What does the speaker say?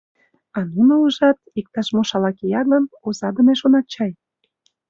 А нуно, ужат, иктаж-мо шала кия гын, озадыме шонат чай?